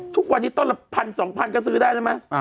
ทุกวันนี้แบบ๑๐๐๐๒๐๐๐ก็ซื้อได้เสมอ